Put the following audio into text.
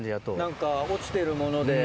何か落ちてるもので。